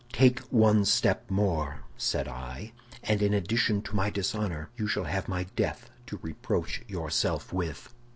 "Take one step more," said I, "and in addition to my dishonor, you shall have my death to reproach yourself with."